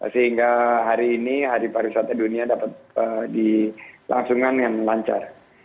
sehingga hari ini hari pariwisata dunia dapat dilangsungkan dengan lancar